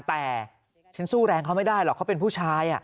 แต่ฉันสู้แรงเขาไม่ได้หรอกเขาเป็นผู้ชาย